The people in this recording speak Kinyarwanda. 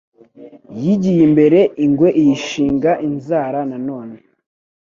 yigiye imbere ingwe iyishinga inzara na none